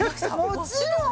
もちろん！